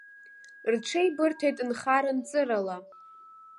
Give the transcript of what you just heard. Рҽҽибырҭеит нхара-нҵырала.